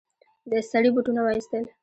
سړي بوټونه وايستل.